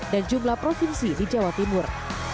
dan jumlah provinsi di jawa timur